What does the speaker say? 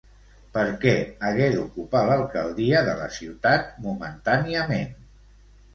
Per què hagué d'ocupar l'alcaldia de la ciutat momentàniament?